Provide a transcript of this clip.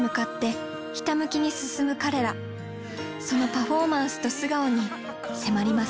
そのパフォーマンスと素顔に迫ります。